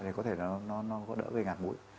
thì có thể nó có đỡ gây ngạt mũi